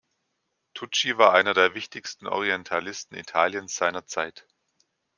Tucci war einer der wichtigsten Orientalisten Italiens seiner Zeit.